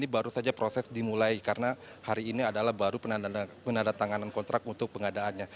baru saja proses dimulai karena hari ini adalah baru penandatanganan kontrak untuk pengadaannya